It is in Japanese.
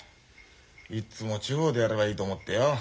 いっつも地方でやればいいと思ってよ。